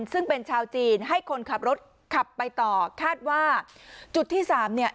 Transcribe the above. ซึ่งเป็นชาวจีนให้คนขับรถขับไปต่อคาดว่าจุดที่สามเนี่ย